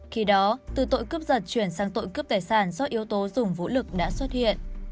khi đó từ tội cướp giật chuyển sang tội cướp tài sản do yếu tố dùng vũ lực đã xuất hiện